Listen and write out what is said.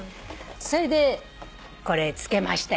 それでこれつけましたよ。